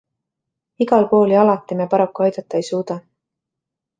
Igal pool ja alati me paraku aidata ei suuda.